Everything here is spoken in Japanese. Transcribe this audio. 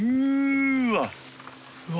・うわ！